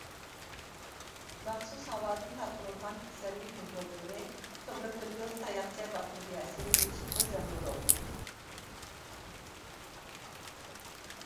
مەخسۇس ھاۋادىن تارقىلىدىغان كېسەللىك مىكروبلىرى: تۇبېركۇليۇز تاياقچە باكتېرىيەسى، ئېچىتقۇ زەمبۇرۇغ.